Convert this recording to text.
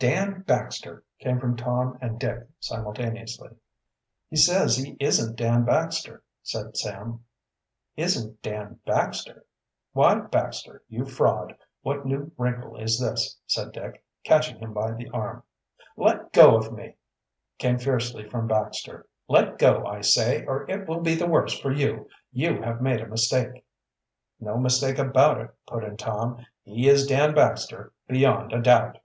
"Dan Baxter!" came from Tom and Dick simultaneously. "He says he isn't Dan Baxter," said Sam. "Isn't Dan Baxter? Why, Baxter, you fraud, what new wrinkle is this?" said Dick, catching him by the arm. "Let go of me!" came fiercely from Baxter. "Let go, I say, or it will be the worse for you. You have made a mistake." "No mistake about it," put in Tom. "He is Dan Baxter beyond a doubt."